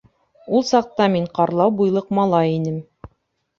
Ул саҡта мин ҡарлау буйлыҡ малай инем.